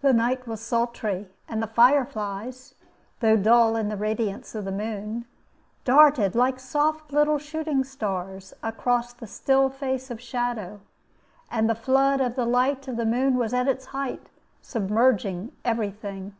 The night was sultry, and the fire flies (though dull in the radiance of the moon) darted, like soft little shooting stars, across the still face of shadow, and the flood of the light of the moon was at its height, submerging every thing.